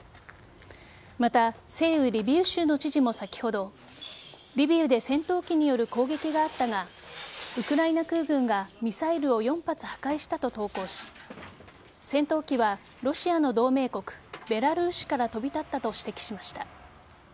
また、西部・リビウ州の知事も先ほどリビウで戦闘機による攻撃があったがウクライナ空軍がミサイルを４発破壊したと投稿し戦闘機はロシアの同盟国ベラルーシから飛び立ったと指摘しました。